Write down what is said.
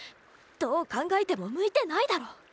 どう考えても向いてないだろ！